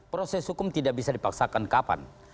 proses hukum tidak bisa dipaksakan kapan